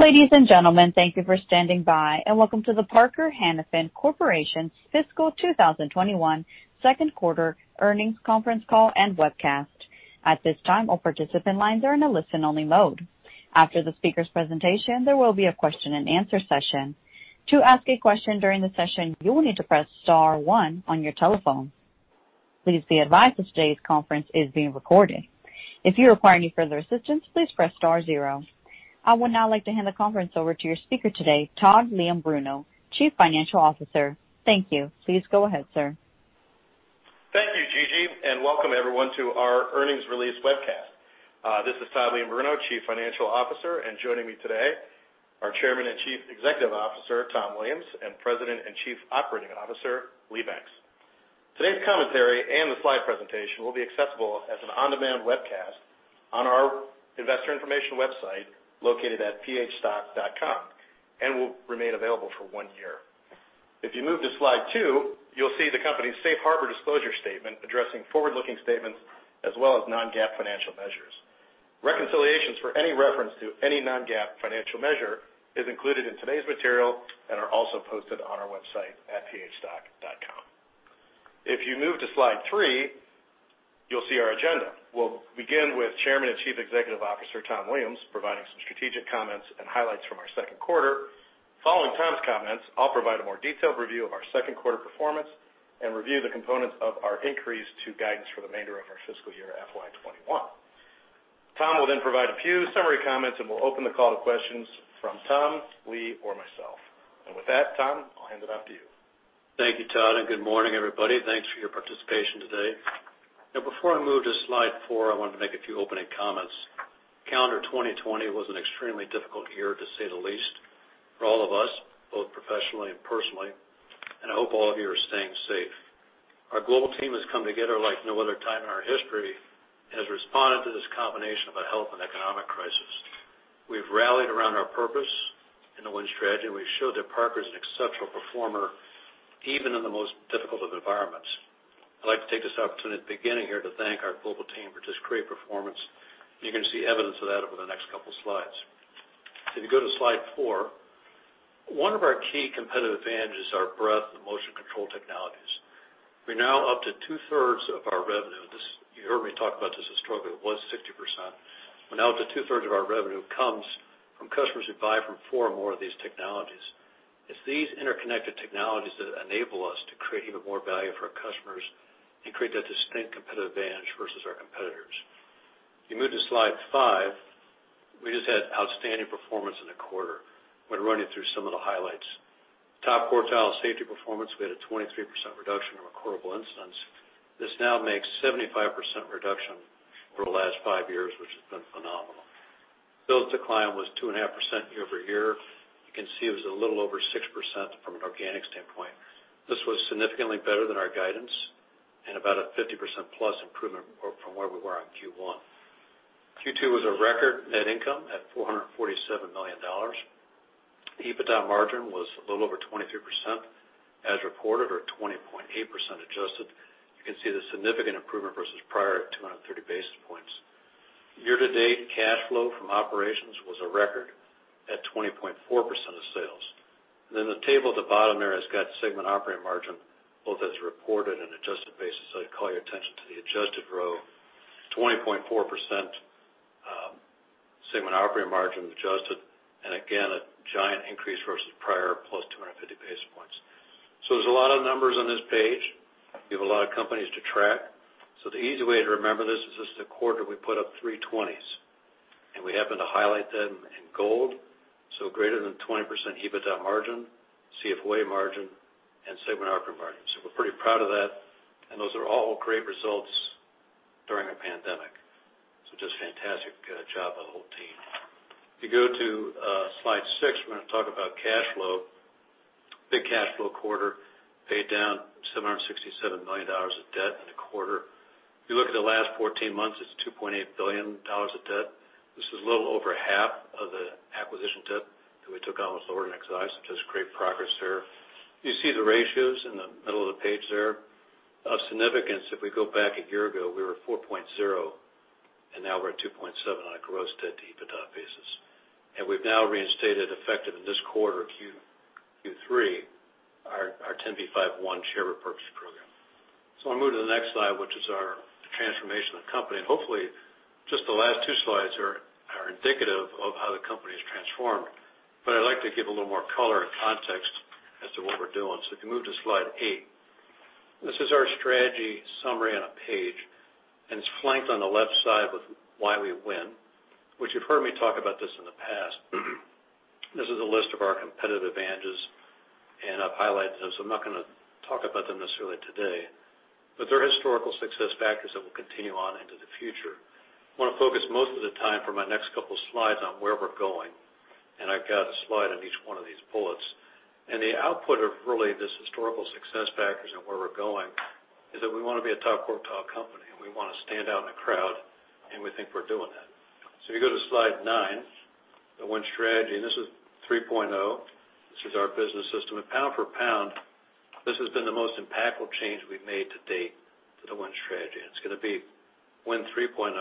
Ladies and gentlemen, thank you for standing by, and welcome to the Parker-Hannifin Corporation's Fiscal 2021 Second Quarter Earnings Conference Call and Webcast. At this time, all participant lines are in a listen-only mode. After the speaker's presentation, there will be a question-and-answer session. To ask a question during the session, you will need to press star one on your telephone. Please be advised that today's conference is being recorded. If you require any further assistance, please press star zero. I would now like to hand the conference over to your speaker today, Todd Leombruno, Chief Financial Officer. Thank you. Please go ahead, sir. Thank you, Gigi, and welcome everyone to our earnings release webcast. This is Todd Leombruno, Chief Financial Officer, and joining me today are our Chairman and Chief Executive Officer, Tom Williams, and President and Chief Operating Officer, Lee Banks. Today's commentary and the slide presentation will be accessible as an on-demand webcast on our investor information website, located at phstock.com, and will remain available for one year. If you move to slide two, you'll see the company's safe harbor disclosure statement addressing forward-looking statements as well as non-GAAP financial measures. Reconciliations for any reference to any non-GAAP financial measure is included in today's material and are also posted on our website at phstock.com. If you move to slide three, you'll see our agenda. We'll begin with Chairman and Chief Executive Officer, Tom Williams, providing some strategic comments and highlights from our second quarter. Following Tom's comments, I'll provide a more detailed review of our second quarter performance and review the components of our increase to guidance for the remainder of our fiscal year FY 2021. Tom will then provide a few summary comments, and we'll open the call to questions from Tom, Lee, or myself. With that, Tom, I'll hand it off to you. Thank you, Todd. Good morning, everybody. Thanks for your participation today. Before I move to slide four, I wanted to make a few opening comments. Calendar 2020 was an extremely difficult year, to say the least, for all of us, both professionally and personally, and I hope all of you are staying safe. Our global team has come together like no other time in our history and has responded to this combination of a health and economic crisis. We've rallied around our purpose in the Win Strategy, and we've showed that Parker is an exceptional performer, even in the most difficult of environments. I'd like to take this opportunity at the beginning here to thank our global team for this great performance. You're going to see evidence of that over the next couple of slides. If you go to slide four, one of our key competitive advantages is our breadth of motion control technologies. We're now up to two-thirds of our revenue. You heard me talk about this historically. It was 60%, but now up to two-thirds of our revenue comes from customers who buy from four or more of these technologies. It's these interconnected technologies that enable us to create even more value for our customers and create that distinct competitive advantage versus our competitors. If you move to slide five, we just had outstanding performance in the quarter. I'm going to run you through some of the highlights. Top quartile safety performance, we had a 23% reduction in recordable incidents. This now makes 75% reduction over the last five years, which has been phenomenal. Sales decline was 2.5% year-over-year. You can see it was a little over 6% from an organic standpoint. This was significantly better than our guidance and about a +50% improvement from where we were on Q1. Q2 was a record net income at $447 million. EBITDA margin was a little over 23% as reported, or 20.8% adjusted. You can see the significant improvement versus prior at 230 basis points. Year to date cash flow from operations was a record at 20.4% of sales. The table at the bottom there has got segment operating margin both as reported and adjusted basis. I'd call your attention to the adjusted row. 20.4% segment operating margin adjusted, and again, a giant increase versus prior +250 basis points. There's a lot of numbers on this page. We have a lot of companies to track. The easy way to remember this is just the quarter we put up three 20s, and we happen to highlight them in gold, greater than 20% EBITDA margin, CFOA margin, and segment operating margin. We're pretty proud of that, and those are all great results during a pandemic. Just fantastic job by the whole team. If you go to slide six, we're going to talk about cash flow. Big cash flow quarter. Paid down $767 million of debt in a quarter. If you look at the last 14 months, it's $2.8 billion of debt. This is a little over half of the acquisition debt that we took on with LORD and Exotic, so just great progress there. You see the ratios in the middle of the page there. Of significance, if we go back a year ago, we were 4.0 and now we're at 2.7 on a gross debt to EBITDA basis. We've now reinstated, effective in this quarter, Q3, our 10b5-1 share repurchase program. I'll move to the next slide, which is our transformation of the company. Hopefully, just the last two slides are indicative of how the company has transformed. I'd like to give a little more color and context as to what we're doing. If you move to slide eight, this is our strategy summary on a page, and it's flanked on the left side with why we win, which you've heard me talk about this in the past. This is a list of our competitive advantages, and I've highlighted those. I'm not going to talk about them necessarily today, but they're historical success factors that will continue on into the future. I want to focus most of the time for my next couple slides on where we're going, and I've got a slide on each one of these bullets. The output of really this historical success factors and where we're going is that we want to be a top quartile company, and we want to stand out in a crowd, and we think we're doing that. If you go to slide nine, the Win Strategy, and this is 3.0. This is our business system, and pound for pound, this has been the most impactful change we've made to date to the Win Strategy, and it's going to be Win 3.0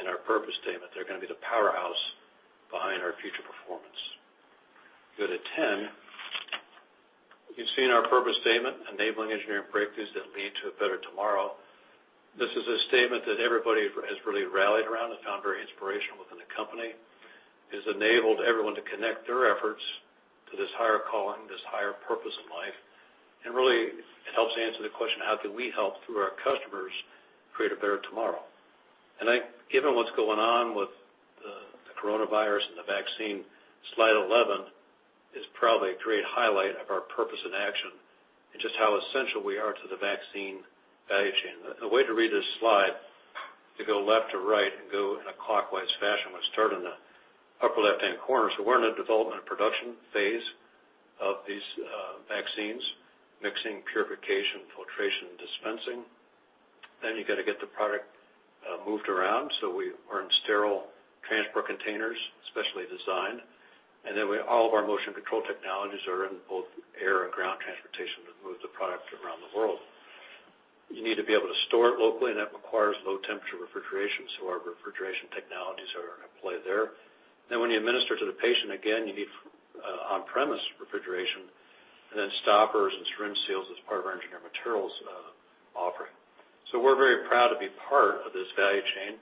and our purpose statement. They're going to be the powerhouse behind our future performance. Go to 10. You can see in our purpose statement, "Enabling engineering breakthroughs that lead to a better tomorrow." This is a statement that everybody has really rallied around and found very inspirational within the company. It has enabled everyone to connect their efforts to this higher calling, this higher purpose in life, and really, it helps answer the question: how can we help through our customers create a better tomorrow? I think given what's going on with the coronavirus and the vaccine, slide 11 is probably a great highlight of our purpose in action and just how essential we are to the vaccine value chain. The way to read this slide, if you go left to right and go in a clockwise fashion, we'll start in the upper left-hand corner. We're in a development and production phase of these vaccines: mixing, purification, filtration, and dispensing. You got to get the product moved around, so we are in sterile transport containers, specially designed. All of our motion control technologies are in both air and ground transportation to move the product around the world. You need to be able to store it locally, and that requires low-temperature refrigeration, so our refrigeration technologies are at play there. When you administer to the patient, again, you need on-premise refrigeration. Stoppers and syringe seals as part of our engineered materials offering. We're very proud to be part of this value chain,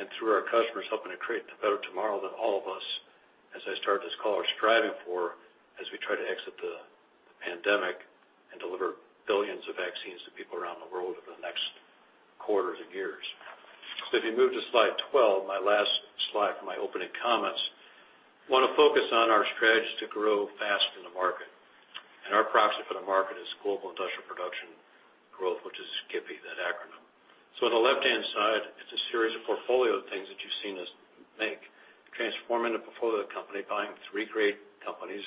and through our customers, helping to create a better tomorrow than all of us, as I start this call, are striving for as we try to exit the pandemic and deliver billions of vaccines to people around the world over the next quarters and years. If you move to slide 12, my last slide for my opening comments, I want to focus on our strategy to grow fast in the market. Our proxy for the market is global industrial production growth, which is GIPI, that acronym. On the left-hand side, it's a series of portfolio things that you've seen us make. Transforming the portfolio of the company, buying three great companies,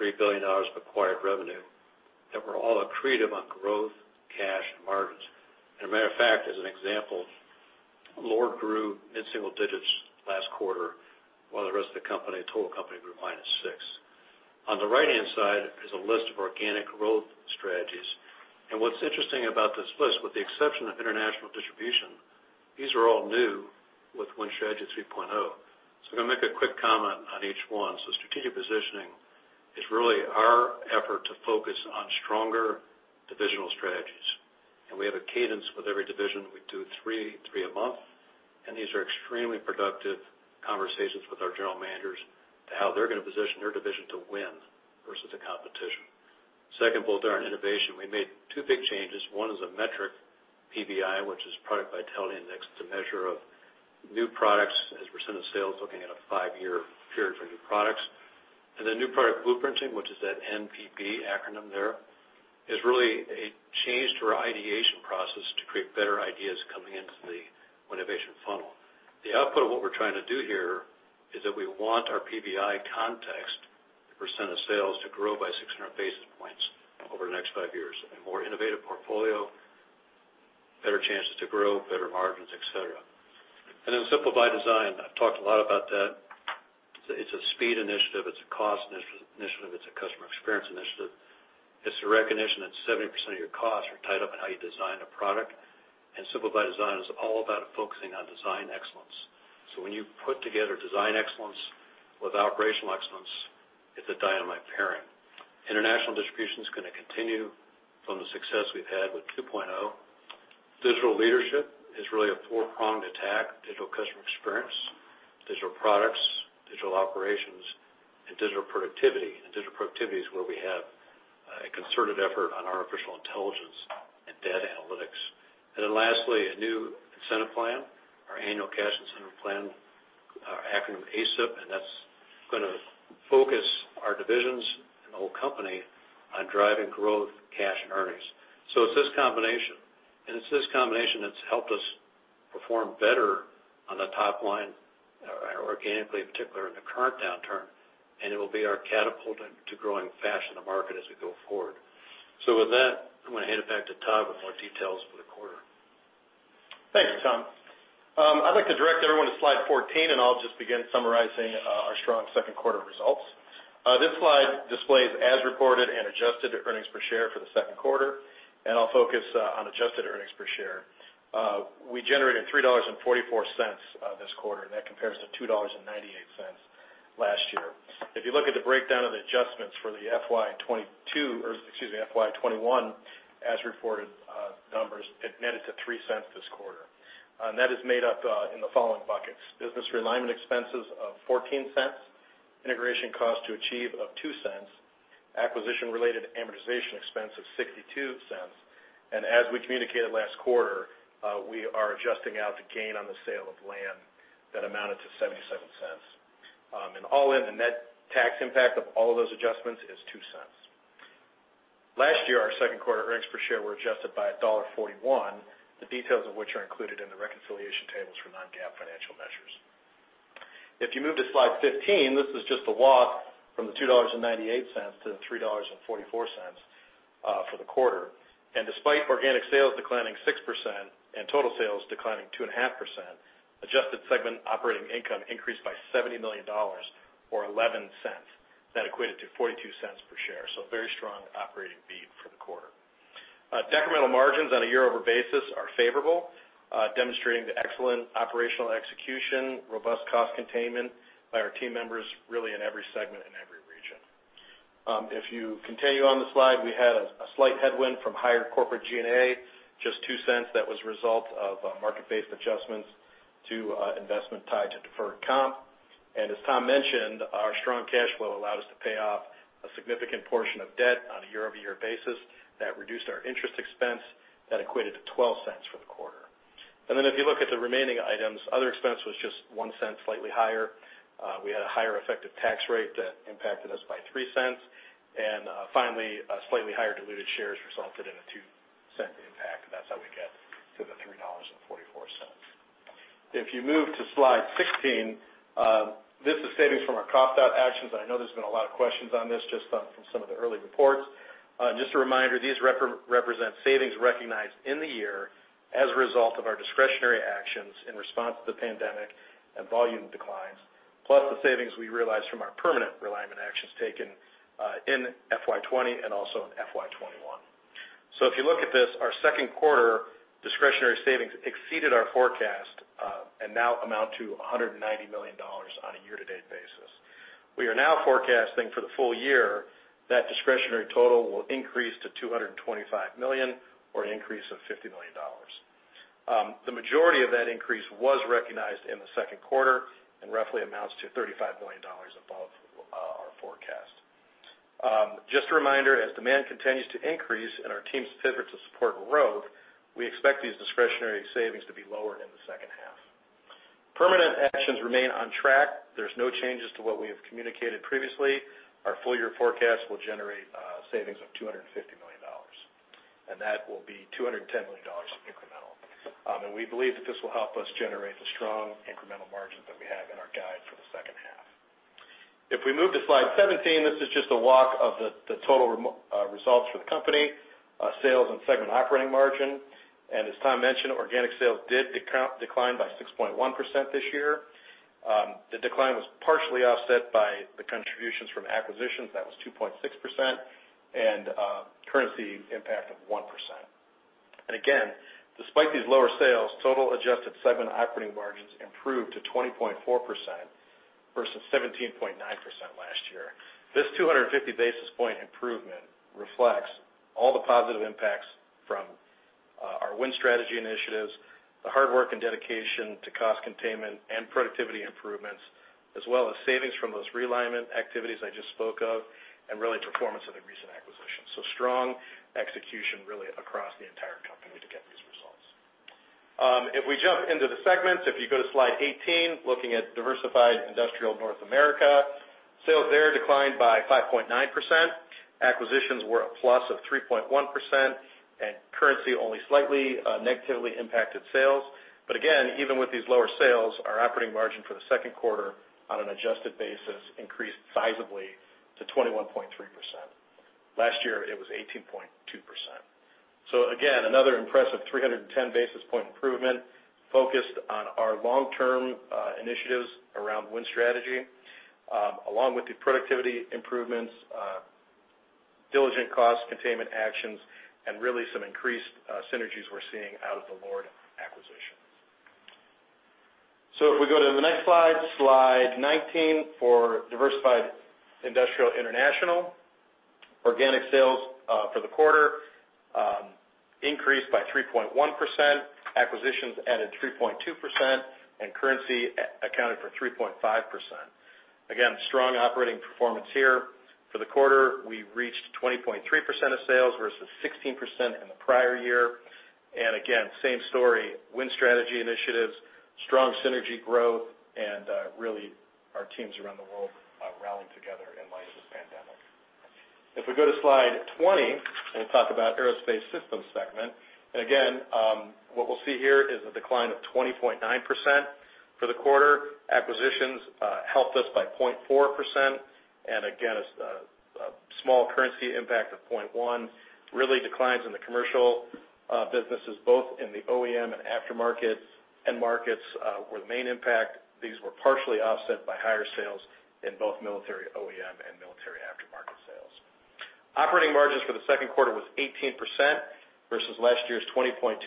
$3 billion of acquired revenue, that were all accretive on growth, cash, and margins. A matter of fact, as an example, LORD grew mid-single digits last quarter, while the rest of the company, total company, grew minus six. On the right-hand side is a list of organic growth strategies. What's interesting about this list, with the exception of international distribution, these are all new with Win Strategy 3.0. I'm going to make a quick comment on each one. Strategic positioning is really our effort to focus on stronger divisional strategies. We have a cadence with every division. We do three a month, and these are extremely productive conversations with our general managers to how they're going to position their division to win versus the competition. Second bullet there on innovation, we made two big changes. One is a metric, PVI, which is Product Vitality Index. It's a measure of new products as a percent of sales, looking at a five-year period for new products. New Product Blueprinting, which is that NPB acronym there, is really a change to our ideation process to create better ideas coming into the innovation funnel. The output of what we're trying to do here is that we want our PVI context percent of sales to grow by 600 basis points over the next five years. A more innovative portfolio, better chances to grow, better margins, et cetera. Simplify Design. I've talked a lot about that. It's a speed initiative. It's a cost initiative. It's a customer experience initiative. It's a recognition that 70% of your costs are tied up in how you design a product. Simplify Design is all about focusing on design excellence. When you put together design excellence with operational excellence, it's a dynamite pairing. International distribution is going to continue from the success we've had with 2.0. Digital leadership is really a four-pronged attack: digital customer experience, digital products, digital operations, and digital productivity. Digital productivity is where we have a concerted effort on artificial intelligence and data analytics. Lastly, a new incentive plan. Our annual cash incentive plan, our acronym ACIP, that's going to focus our divisions and the whole company on driving growth, cash, and earnings. It's this combination, and it's this combination that's helped us perform better on the top line, organically, in particular in the current downturn, and it will be our catapult to growing fast in the market as we go forward. With that, I'm going to hand it back to Todd with more details for the quarter. Thanks, Tom. I'd like to direct everyone to slide 14. I'll just begin summarizing our strong second-quarter results. This slide displays as reported and adjusted earnings per share for the second quarter. I'll focus on adjusted earnings per share. We generated $3.44 this quarter. That compares to $2.98 last year. If you look at the breakdown of the adjustments for the FY 2021 as reported numbers, it netted to $0.03 this quarter. That is made up in the following buckets: business realignment expenses of $0.14, integration cost to achieve of $0.02, and acquisition-related amortization expense of $0.62. As we communicated last quarter, we are adjusting out the gain on the sale of land that amounted to $0.77. All in, the net tax impact of all of those adjustments is $0.02. Last year, our second quarter earnings per share were adjusted by $1.41, the details of which are included in the reconciliation tables for non-GAAP financial measures. If you move to slide 15, this is just the walk from the $2.98 to the $3.44 for the quarter. Despite organic sales declining 6% and total sales declining 2.5%, adjusted segment operating income increased by $70 million or $0.11. That equated to $0.42 per share. Very strong operating beat for the quarter. Decremental margins on a year-over-year basis are favorable, demonstrating the excellent operational execution, robust cost containment by our team members, really in every segment, in every region. If you continue on the slide, we had a slight headwind from higher corporate G&A, just $0.02, that was a result of market-based adjustments to investment tied to deferred comp. As Tom mentioned, our strong cash flow allowed us to pay off a significant portion of debt on a year-over-year basis. That reduced our interest expense. That equated to $0.12 for the quarter. If you look at the remaining items, other expense was just $0.01, slightly higher. We had a higher effective tax rate that impacted us by $0.03. Finally, slightly higher diluted shares resulted in a $0.02 impact, and that's how we get to the $3.44. If you move to slide 16, this is savings from our cost out actions, and I know there's been a lot of questions on this just from some of the early reports. Just a reminder, these represent savings recognized in the year as a result of our discretionary actions in response to the pandemic and volume declines, plus the savings we realized from our permanent realignment actions taken in FY 2020 and also in FY 2021. If you look at this, our second quarter discretionary savings exceeded our forecast, and now amount to $190 million on a year-to-date basis. We are now forecasting for the full-year that discretionary total will increase to $225 million, or an increase of $50 million. The majority of that increase was recognized in the second quarter and roughly amounts to $35 million above our forecast. Just a reminder, as demand continues to increase and our teams pivot to support growth, we expect these discretionary savings to be lower in the second half. Permanent actions remain on track. There is no changes to what we have communicated previously. Our full-year forecast will generate savings of $250 million, that will be $210 million incremental, we believe that this will help us generate the strong incremental margins that we have in our guide for the second half. If we move to slide 17, this is just a walk of the total results for the company, sales, and segment operating margin. As Tom mentioned, organic sales did decline by 6.1% this year. The decline was partially offset by the contributions from acquisitions, that was 2.6%, and currency impact of 1%. Again, despite these lower sales, total adjusted segment operating margins improved to 20.4% versus 17.9% last year. This 250 basis point improvement reflects all the positive impacts from our Win Strategy initiatives, the hard work and dedication to cost containment and productivity improvements, as well as savings from those realignment activities I just spoke of, and really performance of the recent acquisitions. Strong execution really across the entire company to get these results. If we jump into the segments, if you go to slide 18, looking at Diversified Industrial North America, sales there declined by 5.9%. Acquisitions were a plus of 3.1%, and currency only slightly negatively impacted sales. Again, even with these lower sales, our operating margin for the second quarter on an adjusted basis increased sizably to 21.3%. Last year it was 18.2%. Again, another impressive 310 basis points improvement focused on our long-term initiatives around Win Strategy, along with the productivity improvements, diligent cost containment actions, and really some increased synergies we're seeing out of the LORD acquisition. If we go to the next slide 19 for Diversified Industrial International. Organic sales for the quarter increased by 3.1%, acquisitions added 3.2%, and currency accounted for 3.5%. Again, strong operating performance here. For the quarter, we reached 20.3% of sales versus 16% in the prior year. Again, same story, Win Strategy initiatives, strong synergy growth, and really our teams around the world rallying together in light of the pandemic. If we go to slide 20 and talk about Aerospace Systems segment, and again, what we'll see here is a decline of 20.9% for the quarter. Acquisitions helped us by 0.4%, and again, a small currency impact of 0.1%. Really, declines in the commercial businesses, both in the OEM and end markets were the main impact. These were partially offset by higher sales in both military OEM and military aftermarket sales. Operating margins for the second quarter was 18% versus last year's 20.2%.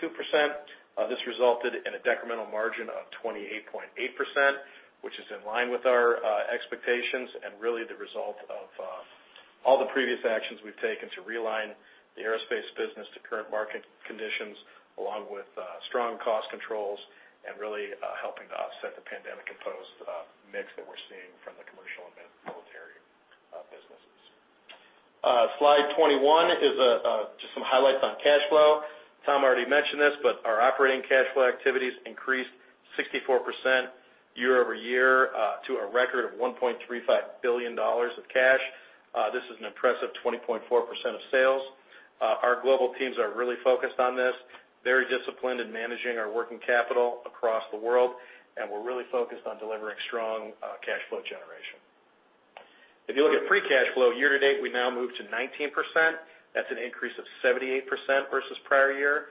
This resulted in a decremental margin of 28.8%, which is in line with our expectations and really the result of all the previous actions we've taken to realign the aerospace business to current market conditions, along with strong cost controls and really helping to offset the pandemic-imposed mix that we're seeing from the commercial and military businesses. Slide 21 is just some highlights on cash flow. Tom already mentioned this, our operating cash flow activities increased 64% year-over-year to a record of $1.35 billion of cash. This is an impressive 20.4% of sales. Our global teams are really focused on this, very disciplined in managing our working capital across the world, and we're really focused on delivering strong cash flow generation. You look at free cash flow year-to-date, we now move to 19%. That's an increase of 78% versus prior year,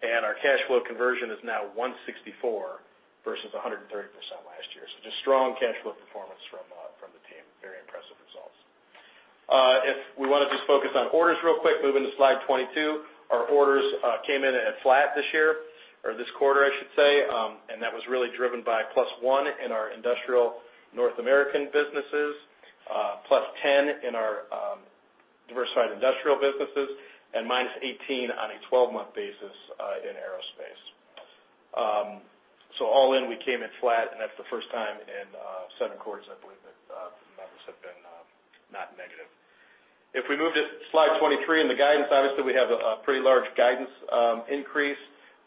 and our cash flow conversion is now 164% versus 130% last year. Just strong cash flow performance from the team. Very impressive results. We want to just focus on orders real quick, moving to slide 22, our orders came in at flat this year, or this quarter, I should say. That was really driven by +1 in our Diversified Industrial North America businesses, +10 in our Diversified Industrial International businesses, and -18 on a 12-month basis in Aerospace Systems. All in, we came in flat, and that's the first time in seven quarters, I believe, that the numbers have been not negative. If we move to slide 23 and the guidance, obviously, we have a pretty large guidance increase.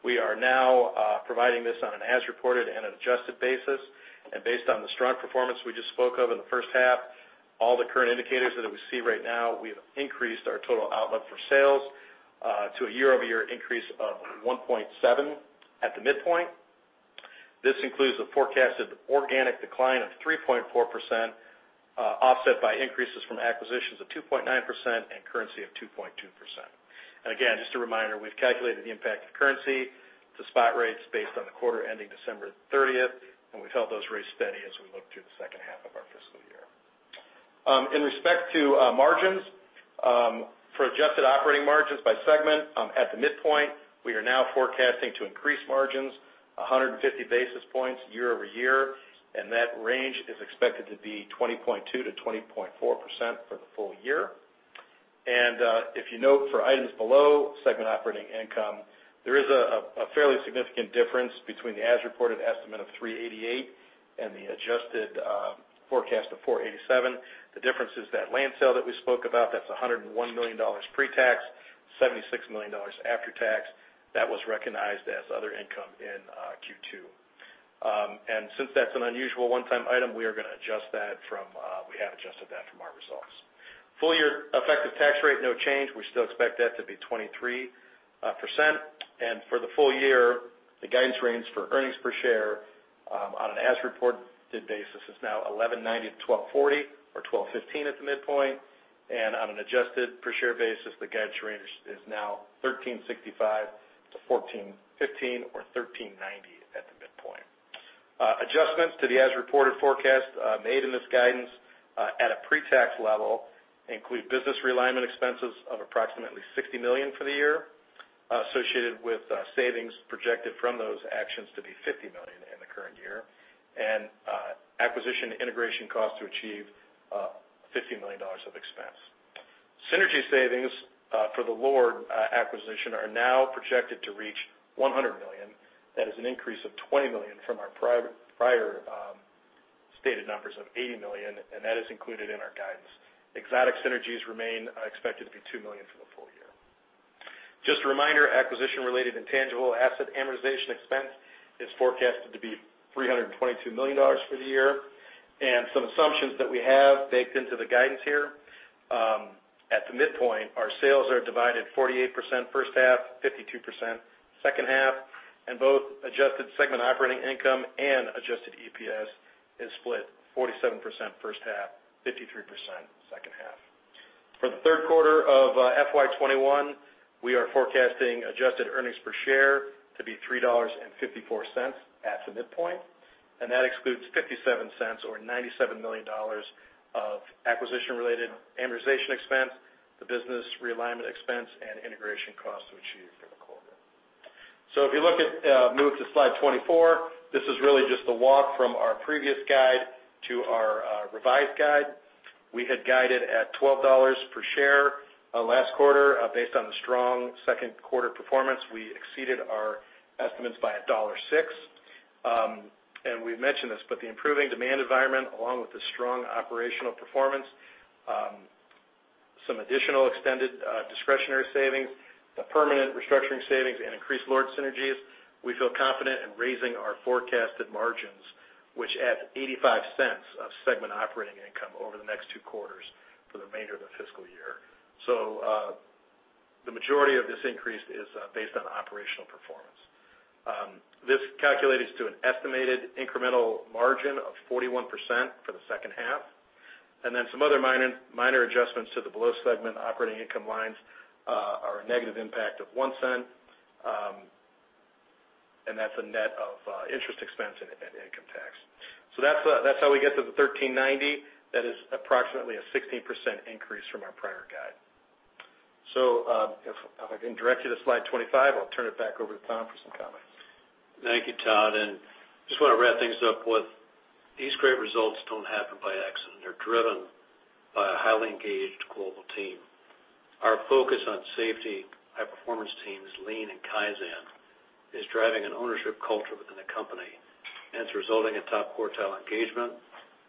We are now providing this on an as-reported and an adjusted basis. Based on the strong performance we just spoke of in the first half, all the current indicators that we see right now, we've increased our total outlook for sales to a year-over-year increase of 1.7% at the midpoint. This includes the forecasted organic decline of 3.4%, offset by increases from acquisitions of 2.9% and currency of 2.2%. Again, just a reminder, we've calculated the impact of currency to spot rates based on the quarter ending December 30th, and we've held those rates steady as we look to the second half of our fiscal year. In respect to margins, for adjusted operating margins by segment, at the midpoint, we are now forecasting to increase margins 150 basis points year-over-year. That range is expected to be 20.2%-20.4% for the full-year. If you note for items below segment operating income, there is a fairly significant difference between the as-reported estimate of $388 and the adjusted forecast of $487. The difference is that land sale that we spoke about, that's $101 million pre-tax, $76 million after tax. That was recognized as other income in Q2. Since that's an unusual one-time item, we have adjusted that from our results. Full-year effective tax rate, no change. We still expect that to be 23%. For the full-year, the guidance range for earnings per share on an as-reported basis is now $11.90-$12.40 or $12.15 at the midpoint. On an adjusted per share basis, the guidance range is now $13.65-$14.15 or $13.90 at the midpoint. Adjustments to the as-reported forecast made in this guidance at a pre-tax level include business realignment expenses of approximately $60 million for the year, associated with savings projected from those actions to be $50 million in the current year, and acquisition integration costs to achieve $50 million of expense. Synergy savings for the LORD acquisition are now projected to reach $100 million. That is an increase of $20 million from our prior stated numbers of $80 million, and that is included in our guidance. Exotic synergies remain expected to be $2 million for the full-year. Just a reminder, acquisition-related intangible asset amortization expense is forecasted to be $322 million for the year. Some assumptions that we have baked into the guidance here. At the midpoint, our sales are divided 48% first half, 52% second half, and both adjusted segment operating income and Adjusted EPS is split 47% first half, 53% second half. For the third quarter of FY 2021, we are forecasting adjusted earnings per share to be $3.54 at the midpoint, and that excludes $0.57 or $97 million of acquisition-related amortization expense, the business realignment expense, and integration costs to achieve for the quarter. If you move to slide 24, this is really just the walk from our previous guide to our revised guide. We had guided at $12 per share last quarter. Based on the strong second-quarter performance, we exceeded our estimates by $1.06. We've mentioned this, but the improving demand environment, along with the strong operational performance, some additional extended discretionary savings, the permanent restructuring savings, and increased LORD synergies, we feel confident in raising our forecasted margins, which add $0.85 of segment operating income over the next two quarters for the remainder of the fiscal year. The majority of this increase is based on operational performance. This calculates to an estimated incremental margin of 41% for the second half. Then some other minor adjustments to the below segment operating income lines are a negative impact of $0.01, and that's a net of interest expense and income tax. That's how we get to the $13.90. That is approximately a 16% increase from our prior guide. If I can direct you to slide 25, I'll turn it back over to Tom for some comments. Thank you, Todd. Just want to wrap things up with these great results don't happen by accident. They're driven by a highly engaged global team. Our focus on safety, high-performance teams, lean, and kaizen is driving an ownership culture within the company, and it's resulting in top quartile engagement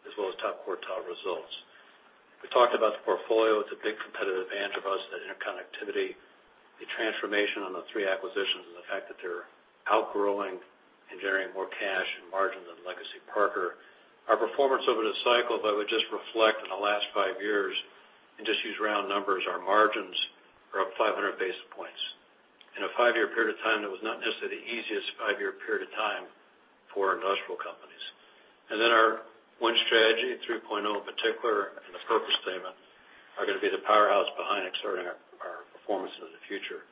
as well as top quartile results. We talked about the portfolio. It's a big competitive advantage of ours, its interconnectivity. The transformation on the three acquisitions, and the fact that they're outgrowing and generating more cash and margin than legacy Parker. Our performance over this cycle, if I would just reflect on the last five years. Just use round numbers. Our margins are up 500 basis points in a five-year period of time that was not necessarily the easiest five-year period of time for industrial companies. Our Win Strategy 3.0 in particular, and the purpose statement are going to be the powerhouse behind exerting our performance into the future.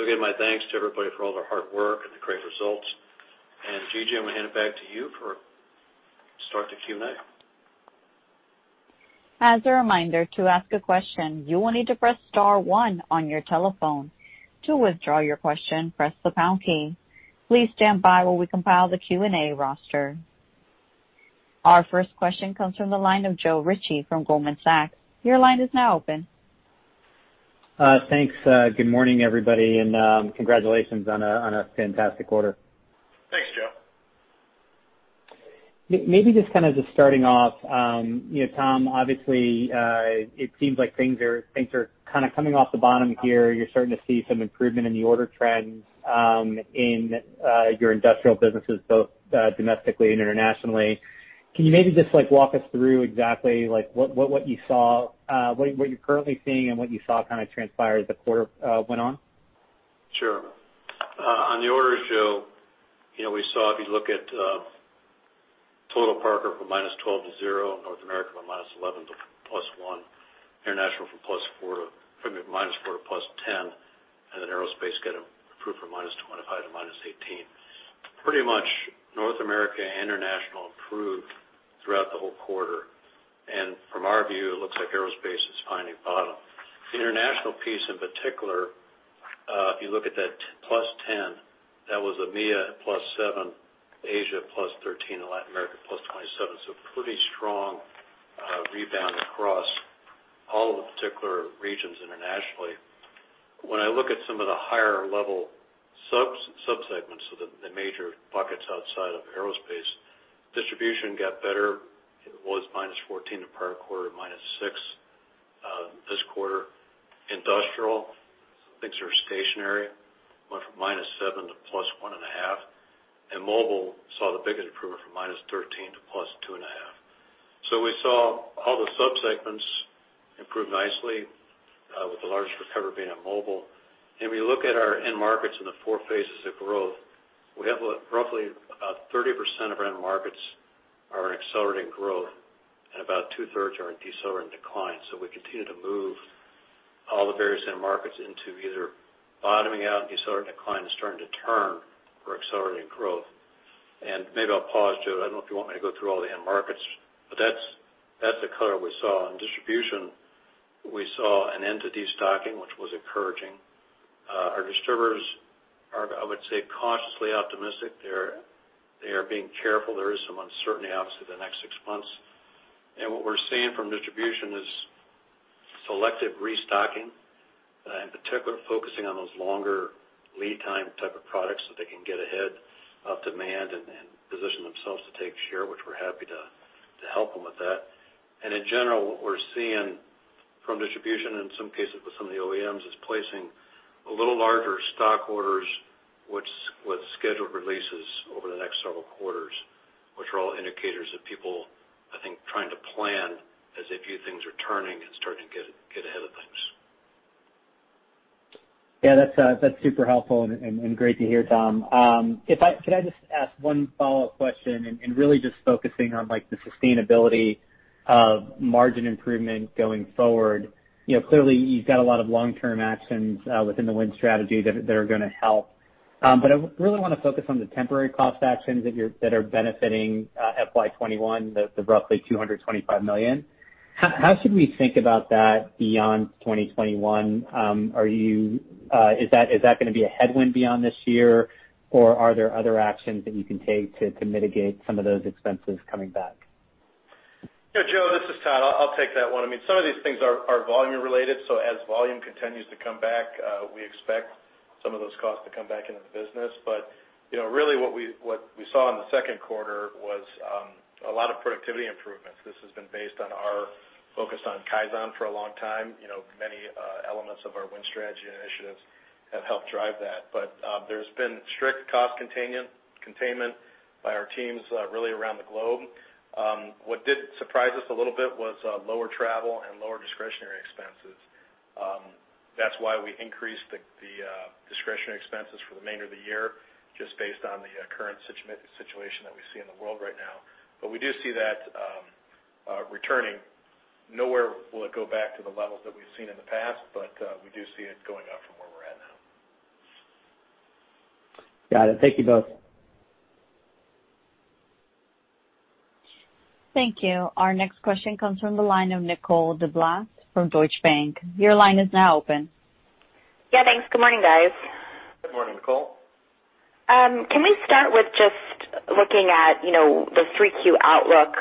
Again, my thanks to everybody for all their hard work and the great results. Gigi, I'm going to hand it back to you for start the Q&A. As a reminder to ask the question, you need to press star one on your telephone. To withdraw your question, press the pound key. Please stand by while we compile the Q&A roster. Our first question comes from the line of Joe Ritchie from Goldman Sachs. Your line is now open. Thanks. Good morning, everybody, and congratulations on a fantastic quarter. Thanks, Joe. Maybe just kind of just starting off. Tom, obviously, it seems like things are kind of coming off the bottom here. You're starting to see some improvement in the order trends in your industrial businesses, both domestically and internationally. Can you maybe just walk us through exactly what you saw, what you're currently seeing, and what you saw kind of transpire as the quarter went on? Sure. On the orders, Joe, we saw if you look at total Parker from -12 to 0, North America from -11 to +1, International from -4 to +10. Aerospace got improved from -25 to -18. Pretty much North America, International improved throughout the whole quarter. From our view, it looks like Aerospace is finally bottom. The International piece in particular, if you look at that +10, that was EMEA at +7, Asia +13, Latin America +27. Pretty strong rebound across all of the particular regions internationally. When I look at some of the higher-level sub-segments of the major buckets outside of Aerospace, Distribution got better. It was -14 the prior quarter, -6 this quarter. Industrial things are stationary. Went from -7 to +1.5. Mobile saw the biggest improvement from -13 to +2.5. We saw all the sub-segments improve nicely, with the largest recovery being at mobile. We look at our end markets in the four phases of growth. We have roughly about 30% of our end markets are in accelerating growth, and about 2/3 are in decelerating decline. We continue to move all the various end markets into either bottoming out and decelerating decline is starting to turn or accelerating growth. Maybe I'll pause, Joe, I don't know if you want me to go through all the end markets, but that's the color we saw. In distribution, we saw an end to destocking, which was encouraging. Our distributors are, I would say, cautiously optimistic. They are being careful. There is some uncertainty, obviously, the next six months. What we're seeing from distribution is selective restocking, in particular, focusing on those longer lead time type of products, so they can get ahead of demand and position themselves to take share, which we're happy to help them with that. In general, what we're seeing from distribution in some cases with some of the OEMs is placing a little larger stock orders with scheduled releases over the next several quarters, which are all indicators of people, I think, trying to plan as they view things are turning and starting to get ahead of things. Yeah, that's super helpful and great to hear, Tom. Could I just ask one follow-up question and really just focusing on the sustainability of margin improvement going forward? Clearly, you've got a lot of long-term actions within the Win Strategy that are going to help. I really want to focus on the temporary cost actions that are benefiting FY 2021, the roughly $225 million. How should we think about that beyond 2021? Is that going to be a headwind beyond this year, or are there other actions that you can take to mitigate some of those expenses coming back? Yeah, Joe, this is Todd. I'll take that one. Some of these things are volume-related, so as volume continues to come back, we expect some of those costs to come back into the business. Really, what we saw in the second quarter was a lot of productivity improvements. This has been based on our focus on kaizen for a long time. Many elements of our Win Strategy initiatives have helped drive that. There's been strict cost containment by our teams, really, around the globe. What did surprise us a little bit was lower travel and lower discretionary expenses. That's why we increased the discretionary expenses for the remainder of the year, just based on the current situation that we see in the world right now. We do see that returning. Nowhere will it go back to the levels that we've seen in the past, but we do see it going up from where we're at now. Got it. Thank you both. Thank you. Our next question comes from the line of Nicole DeBlase from Deutsche Bank. Your line is now open. Yeah, thanks. Good morning, guys. Good morning, Nicole. Can we start with just looking at the 3Q outlook?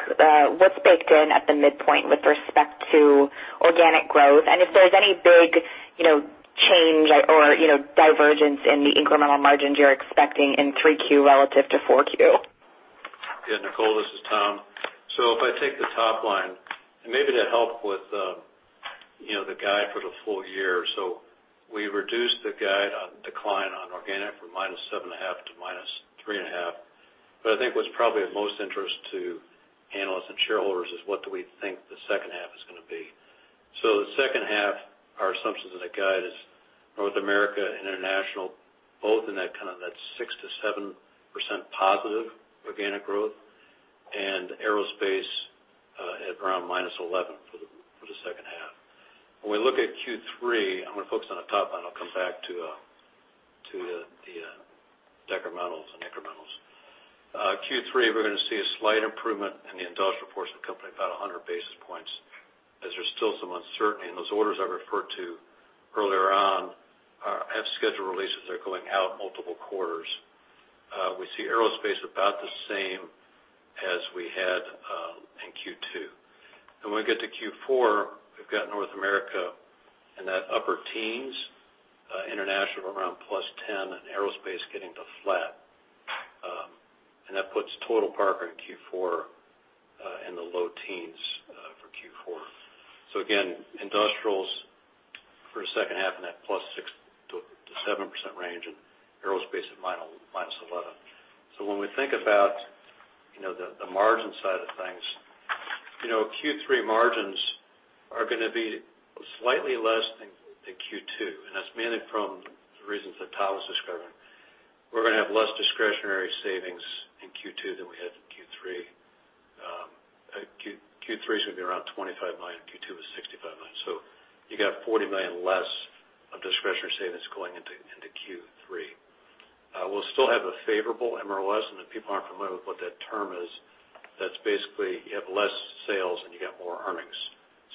What's baked in at the midpoint with respect to organic growth? If there's any big change or divergence in the incremental margins you're expecting in 3Q relative to 4Q. Yeah, Nicole, this is Tom. If I take the top line and maybe to help with the guide for the full year. We reduced the guide on decline on organic from -7.5% to -3.5%. I think what's probably of most interest to analysts and shareholders is what do we think the second half is going to be. The second half, our assumptions as a guide is North America and international, both in that kind of that 6%-7% positive organic growth, and Aerospace at around -11% for the second half. When we look at Q3, I'm going to focus on the top line. I'll come back to the decrementals and incrementals. Q3, we're going to see a slight improvement in the industrial portion of the company, about 100 basis points, as there's still some uncertainty. Those orders I referred to earlier on have scheduled releases that are going out multiple quarters. We see aerospace about the same as we had in Q2. When we get to Q4, we've got North America in that upper teens, international around +10%, and aerospace getting to flat. That puts total Parker in Q4 in the low teens for Q4. Again, industrials for the second half in that +6%-7% range and aerospace at -11%. When we think about the margin side of things, Q3 margins are going to be slightly less than Q2, and that's mainly from the reasons that Todd was describing. We're going to have less discretionary savings in Q2 than we had in Q3. Q3 is going to be around $25 million, Q2 was $65 million. You got $40 million less of discretionary savings going into Q3. We'll still have a favorable MROS. If people aren't familiar with what that term is, that's basically you have less sales and you got more earnings.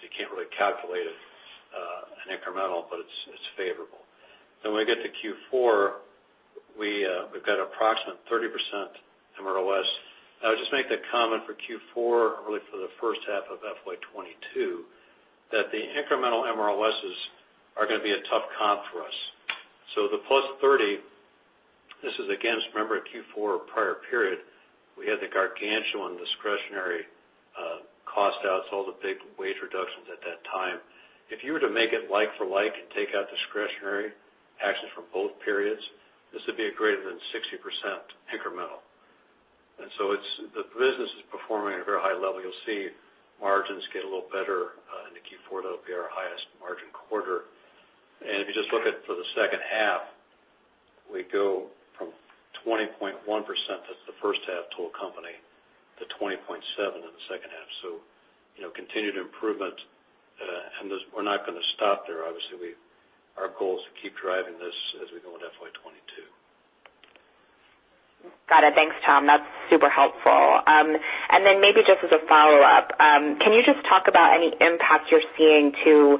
You can't really calculate an incremental, it's favorable. When we get to Q4, we've got approximate 30% MROS. I would just make that comment for Q4 and really for the first half of FY 2022, that the incremental MROSs are going to be a tough comp for us. The plus 30%, this is against, remember, Q4 prior period. We had the gargantuan discretionary cost outs, all the big wage reductions at that time. If you were to make it like for like and take out discretionary actions from both periods, this would be a greater than 60% incremental. The business is performing at a very high level. You'll see margins get a little better into Q4. That'll be our highest margin quarter. If you just look at for the second half, we go from 20.1%, that's the first half total company, to 20.7% in the second half. Continued improvement, and we're not going to stop there. Obviously, our goal is to keep driving this as we go into FY 2022. Got it. Thanks, Tom. That's super helpful. Maybe just as a follow-up, can you just talk about any impact you're seeing to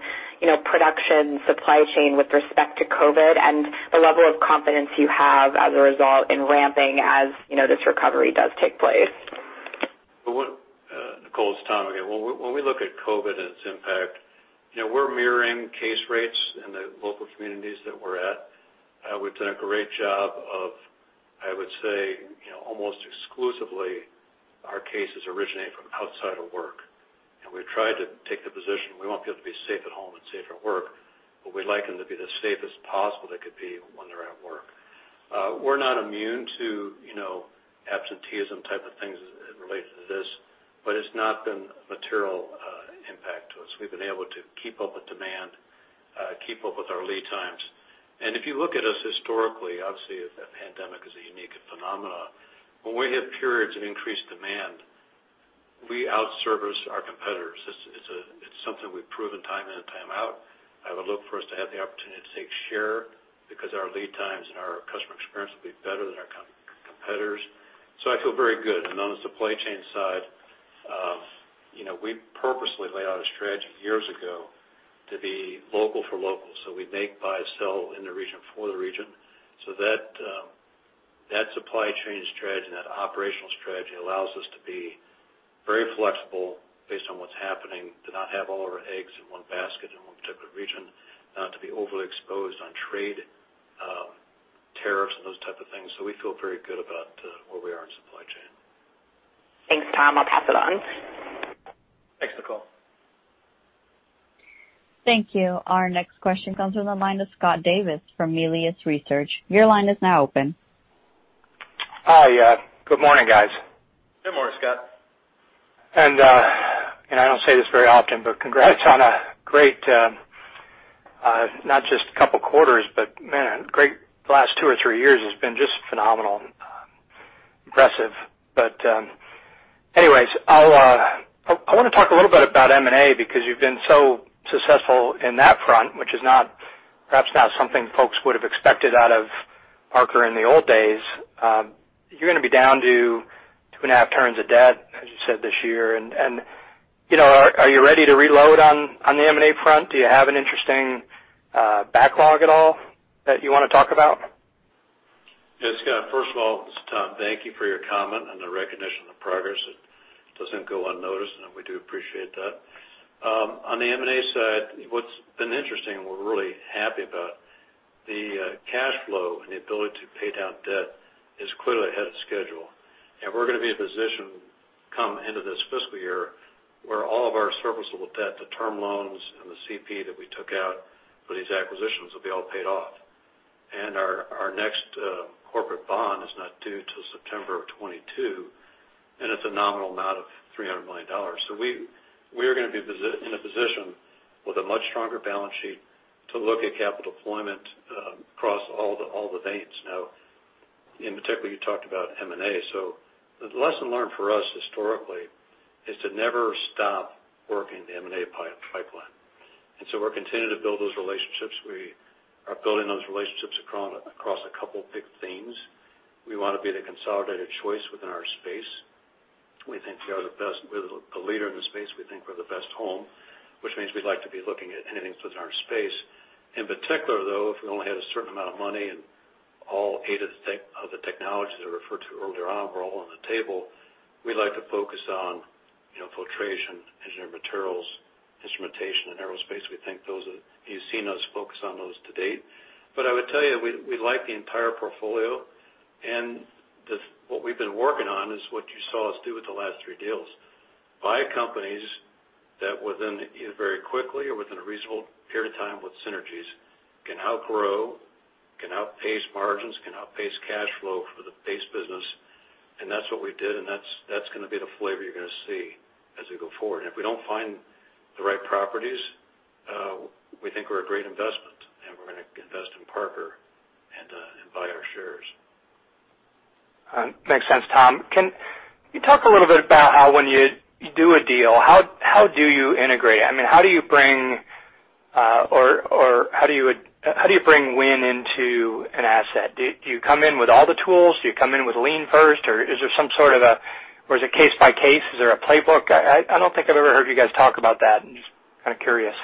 production supply chain with respect to COVID and the level of confidence you have as a result in ramping, as this recovery does take place? Nicole, it's Tom again. When we look at COVID and its impact, we're mirroring case rates in the local communities that we're at. We've done a great job of, I would say, almost exclusively our cases originate from outside of work. We've tried to take the position, we want people to be safe at home and safe at work, but we'd like them to be the safest possible they could be when they're at work. We're not immune to absenteeism-type things as it relates to this, but it's not been a material impact to us. We've been able to keep up with demand, keep up with our lead times. If you look at us historically, obviously, the pandemic is a unique phenomena. When we hit periods of increased demand, we out-service our competitors. It's something we've proven time in and time out. I would look for us to have the opportunity to take share because our lead times and our customer experience will be better than our competitors. I feel very good. On the supply chain side, we purposely laid out a strategy years ago to be local for local. We make, buy, sell in the region for the region. That supply chain strategy and that operational strategy allows us to be very flexible based on what's happening, to not have all of our eggs in one basket in one particular region, not to be overly exposed on trade tariffs and those type of things. We feel very good about where we are in supply chain. Thanks, Tom. I'll pass it on. Thanks, Nicole. Thank you. Our next question comes from the line of Scott Davis from Melius Research. Your line is now open. Hi. Good morning, guys. Good morning, Scott. I don't say this very often, but congrats on a great, not just couple quarters, but man, great last two or three years has been just phenomenal. Impressive. Anyways, I want to talk a little bit about M&A because you've been so successful in that front, which is perhaps not something folks would have expected out of Parker in the old days. You're going to be down to 2.5 turns of debt, as you said this year. Are you ready to reload on the M&A front? Do you have an interesting backlog at all that you want to talk about? Yeah, Scott, first of all, this is Tom. Thank you for your comment and the recognition of progress. It doesn't go unnoticed, and we do appreciate that. On the M&A side, what's been interesting and we're really happy about the cash flow and the ability to pay down debt is clearly ahead of schedule. We're going to be in a position come into this fiscal year where all of our serviceable debt, the term loans and the CP that we took out for these acquisitions will be all paid off. Our next corporate bond is not due till September of 2022, and it's a nominal amount of $300 million. We are going to be in a position with a much stronger balance sheet to look at capital deployment across all the veins. Now, in particular, you talked about M&A. The lesson learned for us historically is to never stop working the M&A pipeline. We're continuing to build those relationships. We are building those relationships across a couple of big themes. We want to be the consolidated choice within our space. We think we are the best. We're the leader in the space. We think we're the best home, which means we'd like to be looking at anything within our space. In particular, though, if we only had a certain amount of money and all eight of the technologies I referred to earlier on were all on the table, we'd like to focus on filtration, engineered materials, instrumentation, and Aerospace. You've seen us focus on those to date. I would tell you, we like the entire portfolio, and what we've been working on is what you saw us do with the last three deals. Buy companies that within either very quickly or within a reasonable period of time with synergies, can outgrow, can outpace margins, can outpace cash flow for the base business. That's what we did, that's going to be the flavor you're going to see as we go forward. If we don't find the right properties, we think we're a great investment, we're going to invest in Parker and buy our shares. Makes sense, Tom. Can you talk a little bit about how, when you do a deal, how do you integrate? How do you bring Win into an asset? Do you come in with all the tools? Do you come in with lean first, or is it case by case? Is there a playbook? I don't think I've ever heard you guys talk about that. I'm just curious.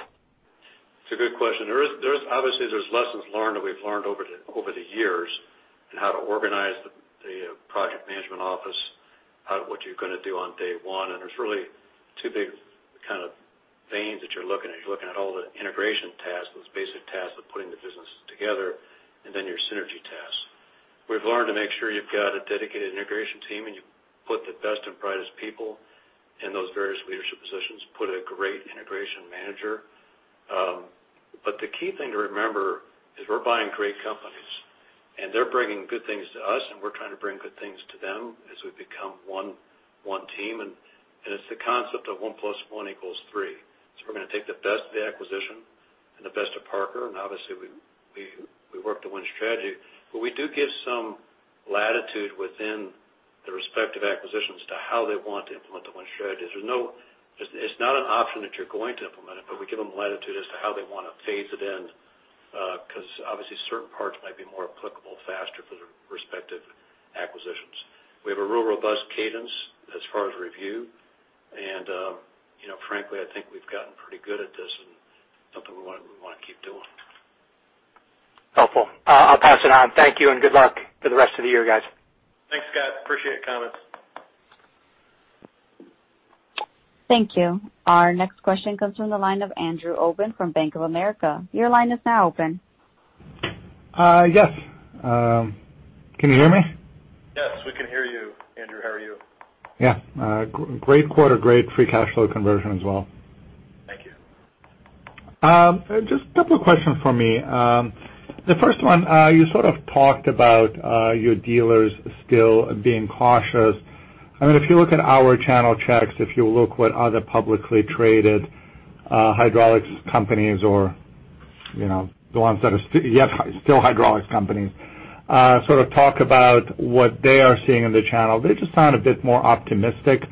It's a good question. Obviously, there's lessons learned that we've learned over the years on how to organize the project management office, what you're going to do on day one, and there's really two big kinds of veins that you're looking at. You're looking at all the integration tasks, those basic tasks of putting the business together, then your synergy tasks. We've learned to make sure you've got a dedicated integration team, and you put the best and brightest people in those various leadership positions, put a great integration manager. The key thing to remember is we're buying great companies, and they're bringing good things to us, and we're trying to bring good things to them as we become one team. It's the concept of one plus one equals three. We're going to take the best of the acquisition and the best of Parker, and obviously, we work to Win Strategy. We do give some latitude within the respective acquisitions to how they want to implement the Win Strategy. It's not an option that you're going to implement it, but we give them latitude as to how they want to phase it in, because obviously, certain parts might be more applicable faster for the respective acquisitions. We have a real robust cadence as far as review, and frankly, I think we've gotten pretty good at this, and something we want to keep doing. Helpful. I'll pass it on. Thank you, and good luck for the rest of the year, guys. Thanks, Scott. Appreciate the comments. Thank you. Our next question comes from the line of Andrew Obin from Bank of America. Your line is now open. Yes. Can you hear me? Yes. We can hear you, Andrew. How are you? Yeah. Great quarter. Great free cash flow conversion as well. Thank you. Just a couple of questions from me. The first one, you sort of talked about your dealers still being cautious. If you look at our channel checks, if you look what other publicly traded hydraulics companies or the ones that are still hydraulics companies sort of talk about what they are seeing in the channel, they just sound a bit more optimistic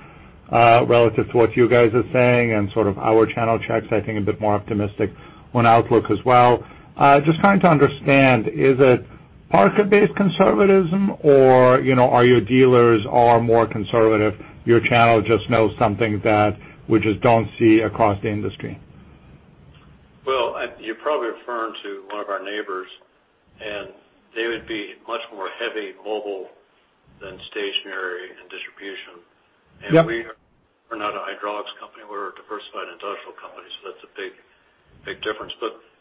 relative to what you guys are saying, and sort of our channel checks, I think a bit more optimistic on outlook as well. Just trying to understand, is it Parker-based conservatism, or are your dealers more conservative, your channel just knows something that we just don't see across the industry? Well, you're probably referring to one of our neighbors, and they would be much more heavy mobile than stationary and distribution. Yep. We are not a hydraulics company. We're a diversified industrial company, so that's a big difference.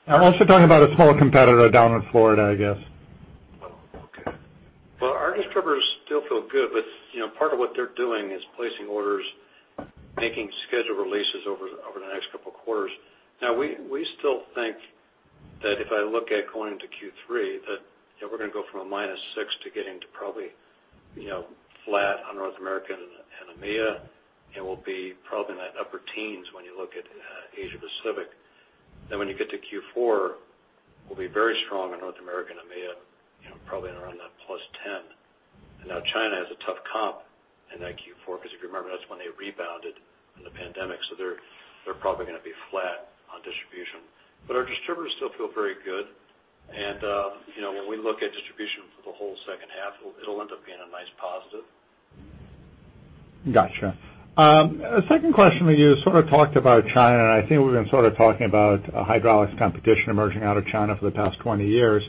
I'm also talking about a smaller competitor down in Florida, I guess. Oh, okay. Well, our distributors still feel good, but part of what they're doing is placing orders, making schedule releases over the next couple of quarters. We still think that if I look at going into Q3, that we're going to go from a -6 to getting to probably flat on North America and EMEA. We'll be probably in that upper teens when you look at Asia Pacific. When you get to Q4, we'll be very strong on North America and EMEA, probably around that +10. China has a tough comp in that Q4, because if you remember, that's when they rebounded from the pandemic. They're probably going to be flat on distribution. Our distributors still feel very good. When we look at distribution for the whole second half, it'll end up being a nice positive. Got you. Second question for you. Sort of talked about China. I think we've been sort of talking about hydraulics competition emerging out of China for the past 20 years.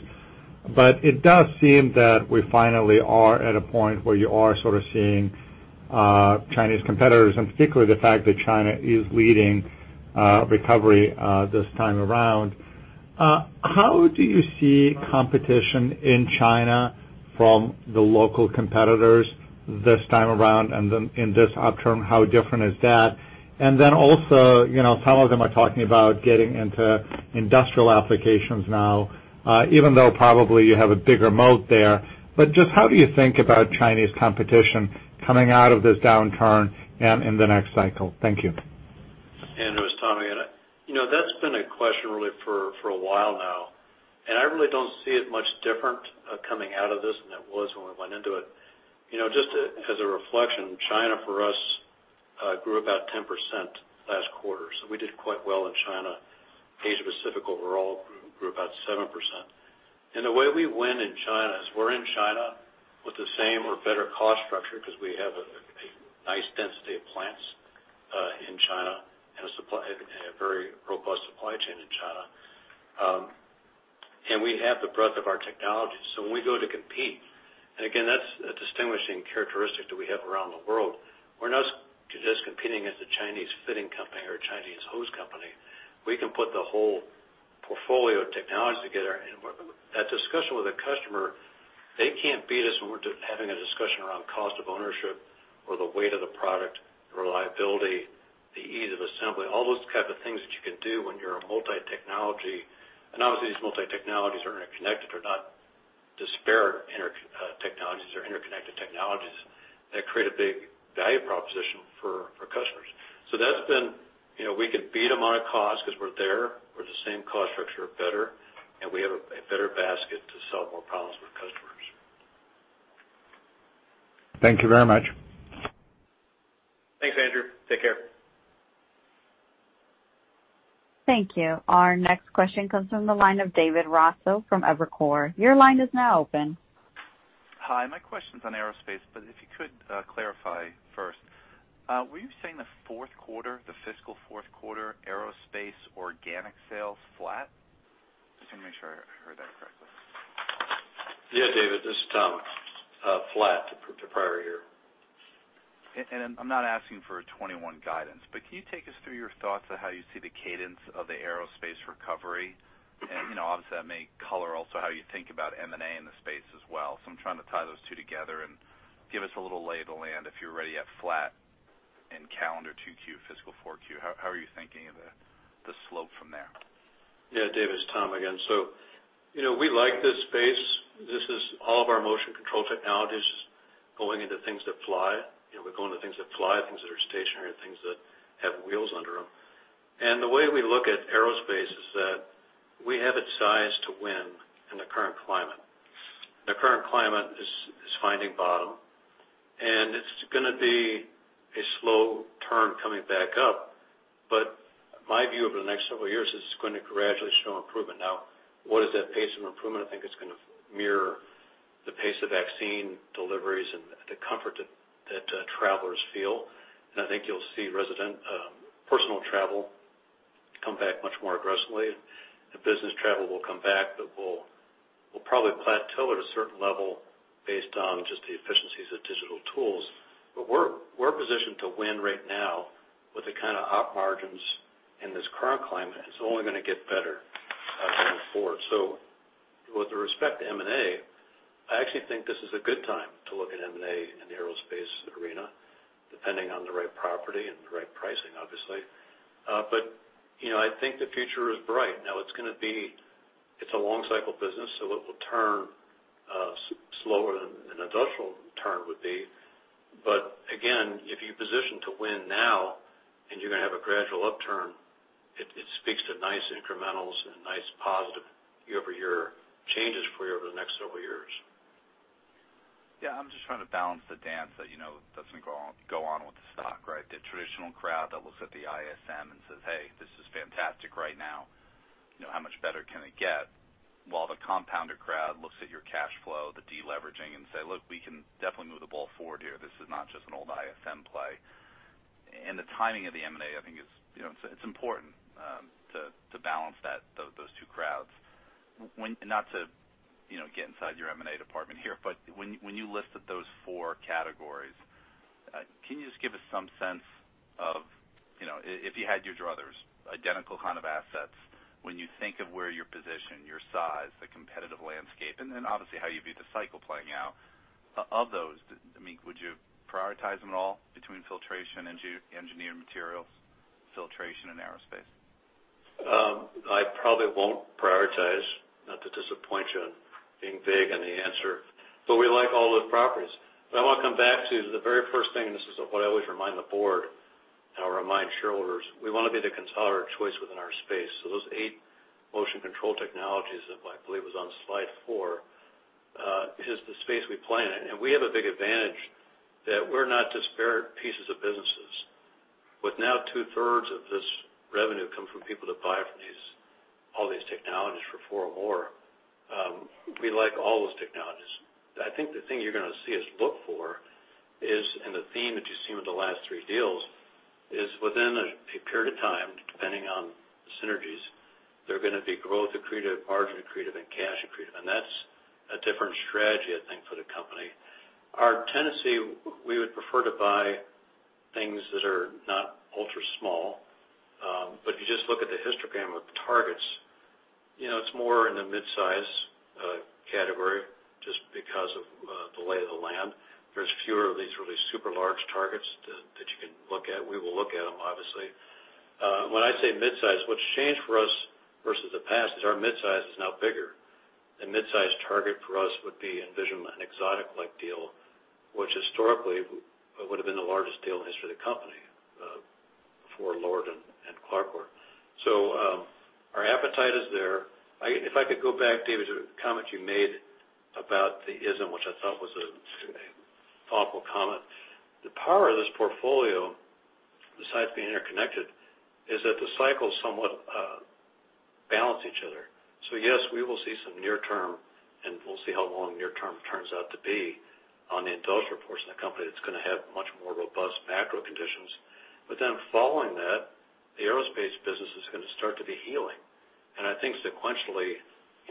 It does seem that we finally are at a point where you are sort of seeing Chinese competitors. Particularly, the fact that China is leading recovery this time around. How do you see competition in China from the local competitors this time around, and then in this upturn, how different is that? Also, some of them are talking about getting into industrial applications now, even though probably you have a bigger moat there. Just how do you think about Chinese competition coming out of this downturn and in the next cycle? Thank you. Andrew, it's Tom again. That's been a question really for a while now, and I really don't see it much different coming out of this than it was when we went into it. Just as a reflection, China for us grew about 10% last quarter. We did quite well in China. Asia Pacific overall grew about 7%. The way we win in China is we're in China with the same or better cost structure because we have a nice density of plants in China and a very robust supply chain in China. We have the breadth of our technology. When we go to compete, and again, that's a distinguishing characteristic that we have around the world. We're not just competing as the Chinese fitting company or Chinese hose company. We can put the whole portfolio of technologies together, that discussion with a customer, they can't beat us when we're having a discussion around cost of ownership or the weight of the product, reliability, the ease of assembly, all those kinds of things that you can do when you're a multi-technology. Obviously, these multi-technologies are interconnected. They're not disparate technologies. They're interconnected technologies that create a big value proposition for customers. We can beat them on cost because we're there. We're the same cost structure, better, and we have a better basket to solve more problems for customers. Thank you very much. Thanks, Andrew. Take care. Thank you. Our next question comes from the line of David Raso from Evercore ISI. Your line is now open. Hi, my question's on Aerospace, but if you could clarify first. Were you saying the fourth quarter, the fiscal fourth quarter, Aerospace organic sales flat? Just want to make sure I heard that correctly. Yeah, David, this is Tom. Flat to prior year. I'm not asking for a FY 2021 guidance, but can you take us through your thoughts on how you see the cadence of the aerospace recovery? Obviously, that may color also how you think about M&A in the space as well. I'm trying to tie those two together and give us a little label and if you're already at flat in calendar 2Q, fiscal 4Q, how are you thinking of the slope from there? Yeah, David, it's Tom again. We like this space. This is all of our motion control technologies going into things that fly. We're going to things that fly, things that are stationary, things that have wheels under them. The way we look at aerospace is that we have it sized to win in the current climate. The current climate is finding bottom, and it's going to be a slow turn coming back up. My view over the next several years is it's going to gradually show improvement. Now, what is that pace of improvement? I think it's going to mirror the pace of vaccine deliveries and the comfort that travelers feel. I think you'll see personal travel come back much more aggressively. Business travel will come back, but will probably plateau at a certain level based on just the efficiencies of digital tools. We're positioned to win right now with the kind of op margins in this current climate, and it's only going to get better going forward. With respect to M&A, I actually think this is a good time to look at M&A in the aerospace arena, depending on the right property and the right pricing, obviously. I think the future is bright. Now it's a long-cycle business, so it will turn slower than an industrial turn would be. Again, if you position to win now and you're going to have a gradual upturn, it speaks to nice incrementals and nice positive year-over-year changes for you over the next several years. Yeah, I'm just trying to balance the dance that doesn't go on with the stock, right? The traditional crowd that looks at the ISM and says, "Hey, this is fantastic right now. How much better can it get?" While the compounder crowd looks at your cash flow, the de-leveraging, and say, "Look, we can definitely move the ball forward here. This is not just an old ISM play." The timing of the M&A, I think it's important to balance those two crowds. Not to get inside your M&A department here, but when you listed those four categories, can you just give us some sense of, if you had your druthers, identical kind of assets when you think of where your position, your size, the competitive landscape, and then obviously how you view the cycle playing out. Of those, would you prioritize them at all between filtration, engineered materials, filtration, and Aerospace? I probably won't prioritize, not to disappoint you on being vague in the answer, we like all those properties. I want to come back to the very first thing, and this is what I always remind the board and I'll remind shareholders, we want to be the consolidator of choice within our space. Those eight motion control technologies that I believe was on slide four, is the space we play in. We have a big advantage that we're not disparate pieces of businesses. With now two-thirds of this revenue coming from people that buy from all these technologies for four or more, we like all those technologies. I think the thing you're going to see us look for is, and the theme that you've seen with the last three deals, is within a period of time, depending on the synergies, they're going to be growth accretive, margin accretive, and cash accretive. That's a different strategy, I think, for the company. Our tendency, we would prefer to buy things that are not ultra small. If you just look at the histogram of the targets, it's more in the mid-size category just because of the lay of the land. There's fewer of these really super large targets that you can look at. We will look at them, obviously. When I say mid-size, what's changed for us versus the past is our mid-size is now bigger. A mid-size target for us would be, envision, an Exotic Metals Forming Division-like deal, which historically would've been the largest deal in the history of the company, before LORD and CLARCOR. Our appetite is there. If I could go back, David, to the comment you made about the ISM, which I thought was a thoughtful comment. The power of this portfolio, besides being interconnected, is that the cycles somewhat balance each other. Yes, we will see some near-term, and we'll see how long near-term turns out to be on the Diversified Industrial portion of the company. It's going to have much more robust macro conditions. Following that, the Aerospace Systems business is going to start to be healing. I think sequentially,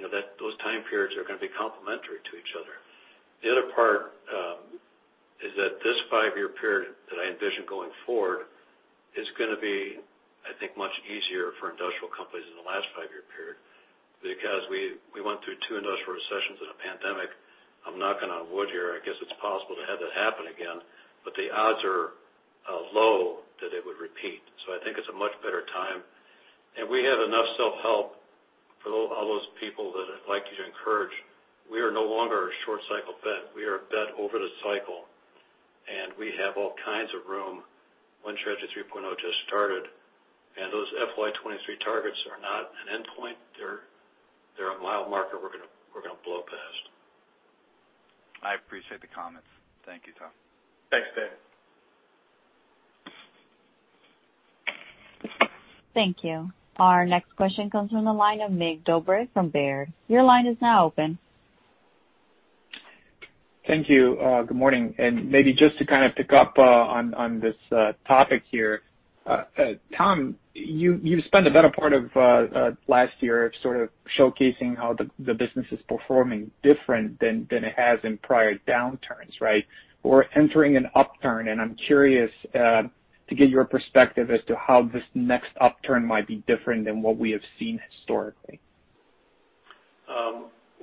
those time periods are going to be complementary to each other. The other part is that this five-year period that I envision going forward is going to be, I think, much easier for industrial companies in the last five-year period. Because we went through two industrial recessions and a pandemic. I'm knocking on wood here. I guess it's possible to have that happen again, but the odds are low that it would repeat. I think it's a much better time, and we have enough self-help for all those people that I'd like to encourage. We are no longer a short-cycle bet. We are a bet over the cycle, and we have all kinds of room. Win Strategy 3.0 just started, and those FY 2023 targets are not an endpoint. They're a mile marker we're going to blow past. I appreciate the comments. Thank you, Tom. Thanks, David. Thank you. Our next question comes from the line of Mig Dobre from Baird. Your line is now open. Thank you. Good morning. Maybe just to kind of pick up on this topic here. Tom, you've spent a better part of last year sort of showcasing how the business is performing different than it has in prior downturns, right? I'm curious to get your perspective as to how this next upturn might be different than what we have seen historically.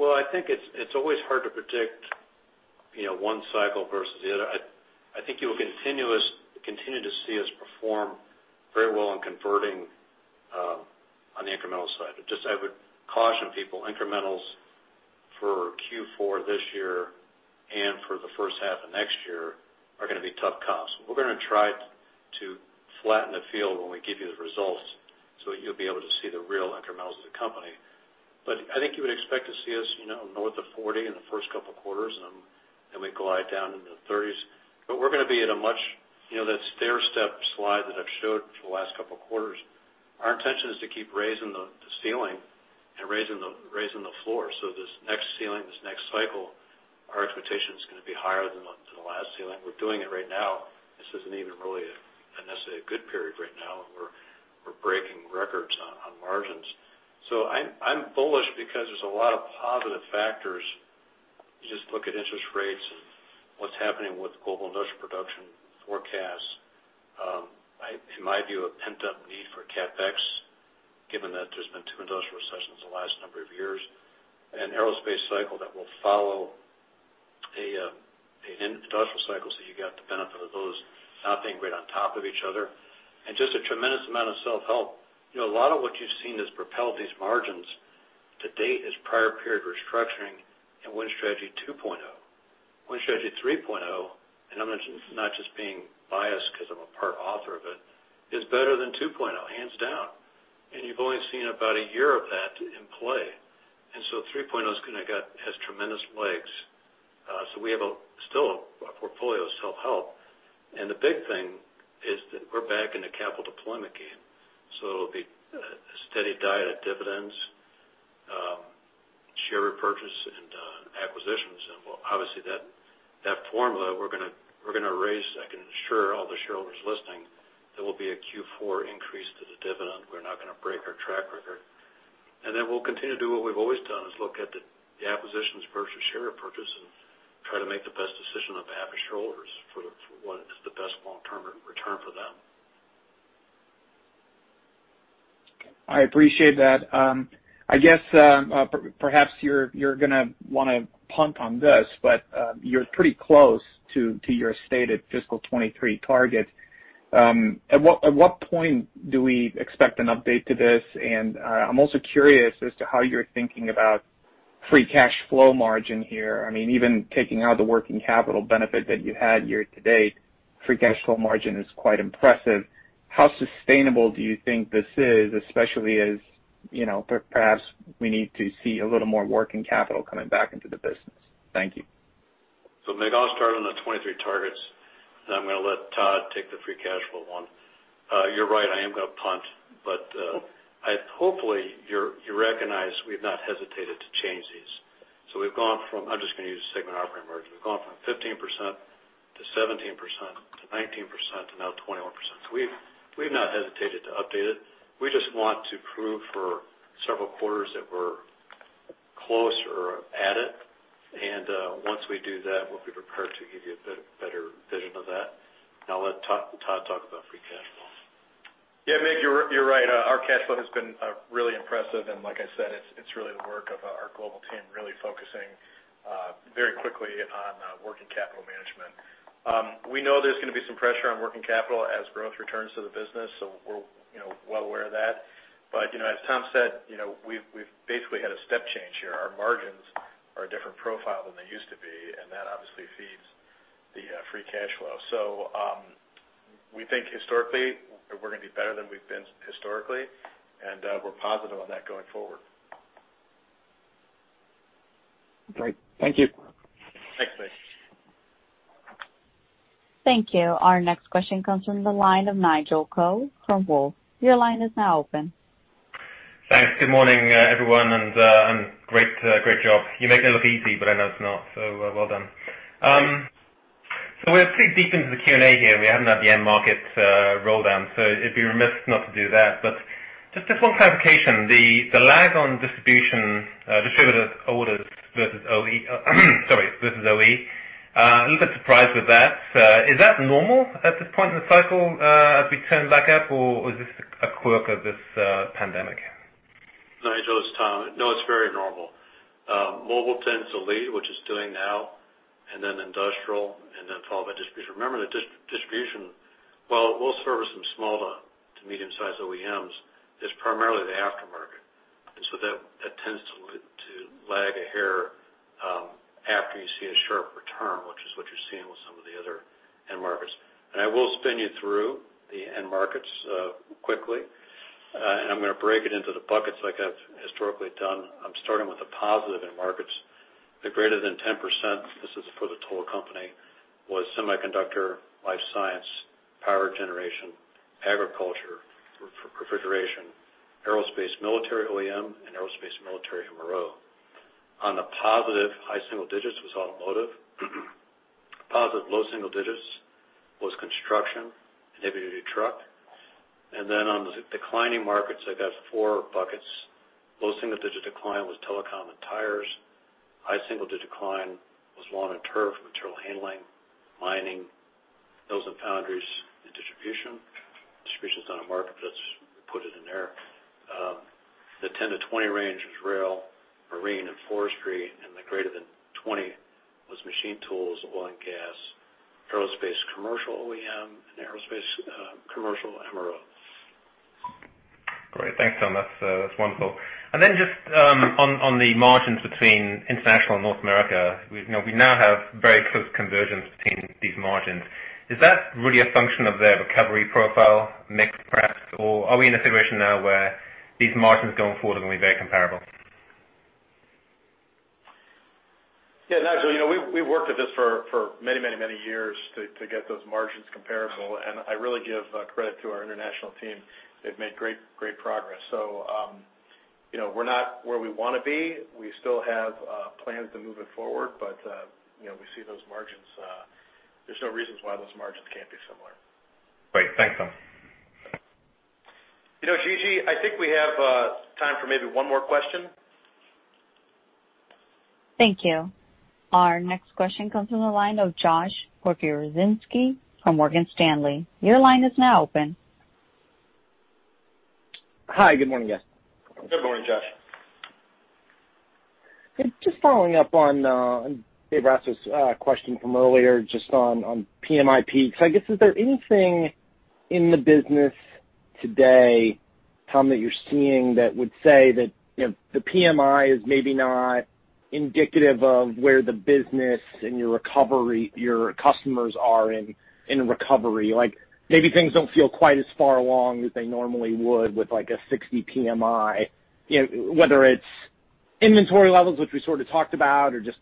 I think it's always hard to predict one cycle versus the other. I think you'll continue to see us perform very well in converting on the incremental side. Just, I would caution people, incrementals for Q4 this year and for the first half of next year are going to be tough comps. We're going to try to flatten the field when we give you the results so that you'll be able to see the real incrementals of the company. I think you would expect to see us north of 40 in the first couple of quarters, and then we glide down into the 30s. We're going to be at that stairstep slide that I've showed for the last couple of quarters. Our intention is to keep raising the ceiling and raising the floor. This next ceiling, this next cycle, our expectation is going to be higher than the last ceiling. We're doing it right now. This isn't even really a necessarily good period right now, and we're breaking records on margins. I'm bullish because there's a lot of positive factors. You just look at interest rates and what's happening with global industrial production forecasts. In my view, a pent-up need for CapEx, given that there's been two industrial recessions in the last number of years, an aerospace cycle that will follow the industrial cycle, so you got the benefit of those not being right on top of each other. Just a tremendous amount of self-help. A lot of what you've seen that's propelled these margins to date is prior period restructuring and Win Strategy 2.0. Win Strategy 3.0, I'm not just being biased because I'm a part author of it, is better than 2.0, hands down. You've only seen about a year of that in play. 3.0 has tremendous legs. We have still a portfolio of self-help. The big thing is that we're back in the capital deployment game. It'll be a steady diet of dividends, share repurchases, and acquisitions. Obviously, that formula, we're going to raise, I can assure all the shareholders listening, there will be a Q4 increase to the dividend. We're not going to break our track record. Then we'll continue to do what we've always done, is look at the acquisitions versus share repurchase and try to make the best decision on behalf of shareholders for what is the best long-term return for them. I appreciate that. I guess perhaps you're going to want to punt on this, you're pretty close to your stated fiscal 2023 target. At what point do we expect an update to this? I'm also curious as to how you're thinking about free cash flow margin here. Even taking out the working capital benefit that you had year to date, free cash flow margin is quite impressive. How sustainable do you think this is, especially as perhaps we need to see a little more working capital coming back into the business? Thank you. Mig, I'll start on the 2023 targets, and then I'm going to let Todd take the free cash flow one. You're right, I am going to punt. Hopefully you recognize we've not hesitated to change these. We've gone from, I'm just going to use the segment operating margin. We've gone from 15%-17%-19% to now 21%. We've not hesitated to update it. We just want to prove for several quarters that we're close or at it. Once we do that, we'll be prepared to give you a better vision of that. I'll let Todd talk about free cash flow. Yeah, Mig, you're right. Our cash flow has been really impressive, and like I said, it's really the work of our global team really focusing very quickly on working capital management. We know there's going to be some pressure on working capital as growth returns to the business, so we're well aware of that. As Tom said, we've basically had a step change here. Our margins are a different profile than they used to be, and that obviously feeds the free cash flow. We think historically we're going to be better than we've been historically, and we're positive on that going forward. Great. Thank you. Thanks, Mig. Thank you. Our next question comes from the line of Nigel Coe from Wolfe Research. Your line is now open. Thanks. Good morning, everyone, and great job. You make it look easy, but I know it's not, so well done. We're pretty deep into the Q&A here. We haven't had the end market roll down, so it'd be remiss not to do that. Just one clarification, the lag on distributive orders versus OE, sorry, versus OE. A little bit surprised with that. Is that normal at this point in the cycle as we turn back up, or is this a quirk of this pandemic? Nigel, it's Tom. It's very normal. Mobile tends to lead, which it's doing now, and then industrial, and then followed by distribution. Remember that distribution, while we'll service some small to medium-sized OEMs, is primarily the aftermarket. That tends to lag a hair after you see a sharp return, which is what you're seeing with some of the other end markets. I will spin you through the end markets quickly, and I'm going to break it into the buckets like I've historically done. I'm starting with the positive end markets. The greater than 10%, this is for the total company, was semiconductor, life science, power generation, agriculture, refrigeration, aerospace, military OEM, and aerospace military MRO. On the positive high single digits was automotive. Positive low single digits was construction and heavy-duty truck. On the declining markets, I've got four buckets. Low single-digit decline was telecom and tires. High single-digit decline was lawn and turf, material handling, mining, mills and foundries, and distribution. Distribution's not a market, but we put it in there. The 10-20 range was rail, marine, and forestry, and the greater than 20 was machine tools, oil and gas, Aerospace Commercial OEM, and Aerospace Commercial MRO. Great. Thanks, Tom. That's wonderful. Then, just on the margins between International and North America, we now have very close convergence between these margins. Is that really a function of their recovery profile mix, perhaps, or are we in a situation now where these margins going forward are going to be very comparable? Nigel, we've worked at this for many years to get those margins comparable, and I really give credit to our international team. They've made great progress. We're not where we want to be. We still have plans to move it forward, but we see those margins. There's no reason why those margins can't be similar. Great. Thanks, Tom. Gigi, I think we have time for maybe one more question. Thank you. Our next question comes from the line of Josh Pokrzywinski from Morgan Stanley. Your line is now open. Hi. Good morning, guys. Good morning, Josh. Just following up on David Raso's question from earlier just on PMI peaks. I guess, is there anything in the business today, Tom, that you're seeing that would say that the PMI is maybe not indicative of where the business and your customers are in recovery? Maybe things don't feel quite as far along as they normally would with a 60 PMI. Whether it's inventory levels, which we sort of talked about, or just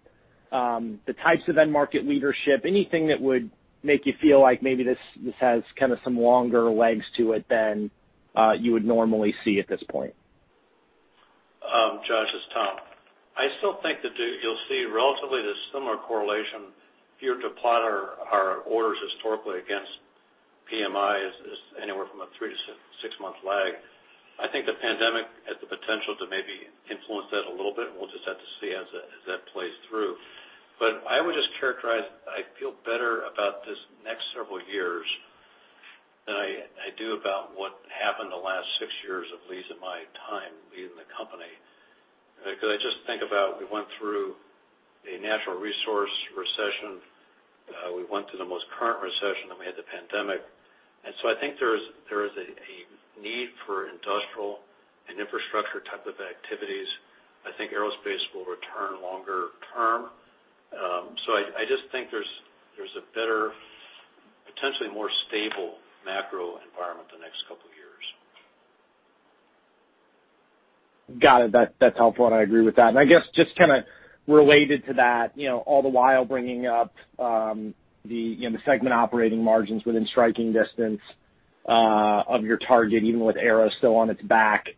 the types of end market leadership, anything that would make you feel like maybe this has kind of some longer legs to it than you would normally see at this point? Josh, it's Tom. I still think that you'll see relatively the similar correlation if you were to plot our orders historically against PMIs is anywhere from a three to six month lag. I think the pandemic has the potential to maybe influence that a little bit, and we'll just have to see as that plays through. I would just characterize, I feel better about these next several years than I do about what happened the last six years, at least in my time leading the company. I just think about we went through a natural resource recession, we went through the most current recession, and we had the pandemic. I think there is a need for industrial and infrastructure-type activities. I think aerospace will return longer term. I just think there's a better, potentially more stable macro environment the next couple of years. Got it. That's helpful, and I agree with that. I guess just kind of related to that, all the while bringing up the segment operating margins within striking distance of your target, even with Aero still on its back.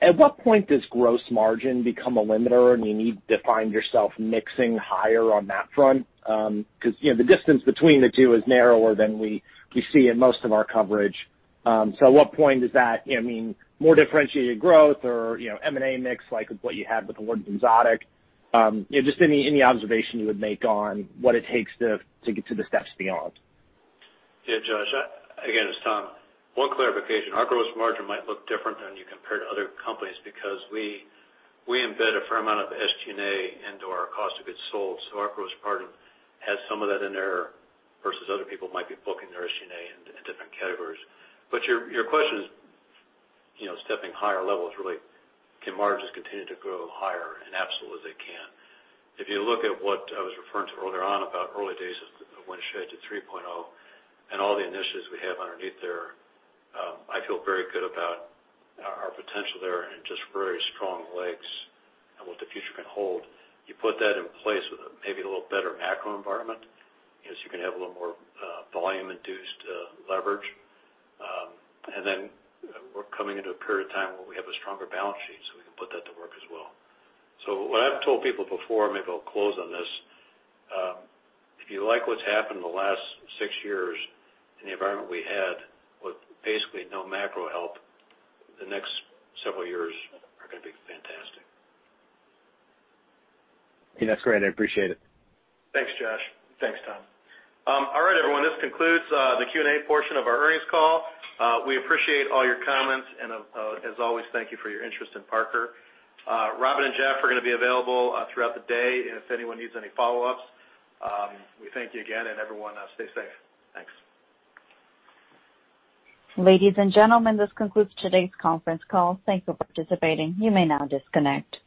At what point does gross margin become a limiter, and you need to find yourself mixing higher on that front? Because the distance between the two is narrower than we see in most of our coverage. At what point does that mean more differentiated growth or M&A mix, like with what you had with LORD Exotic? Just any observation you would make on what it takes to get to the steps beyond. Josh. Again, it's Tom. One clarification. Our gross margin might look different than you compare to other companies because we embed a fair amount of SG&A into our cost of goods sold. Our gross margin has some of that in there, versus other people might be booking their SG&A in different categories. Your question is stepping higher levels, really, can margins continue to grow higher? Absolutely they can. If you look at what I was referring to earlier on about early days of Win Strategy 3.0 and all the initiatives we have underneath there, I feel very good about our potential there and just very strong legs and what the future can hold. You put that in place with maybe a little better macro environment, is you can have a little more volume-induced leverage. Then we're coming into a period of time where we have a stronger balance sheet, so we can put that to work as well. What I've told people before, maybe I'll close on this. If you like what's happened in the last six years in the environment we had with basically no macro help, the next several years are going to be fantastic. That's great. I appreciate it. Thanks, Josh. Thanks, Tom. All right, everyone. This concludes the Q&A portion of our earnings call. We appreciate all your comments, and as always, thank you for your interest in Parker. Robin and Jeff are going to be available throughout the day if anyone needs any follow-ups. We thank you again, and everyone, stay safe. Thanks. Ladies and gentlemen, this concludes today's conference call. Thank you for participating. You may now disconnect.